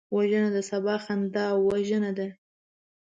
وژنه د سبا خندا وژنه ده